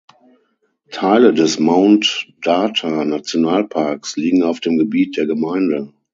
Teile des Mount-Data-Nationalparks liegen auf dem Gebiet der Gemeinde.